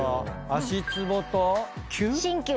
足つぼと。